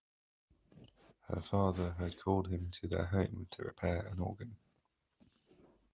Her father had called him to their home to repair an organ.